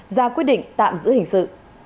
ra quyết định tạm giữ hình sự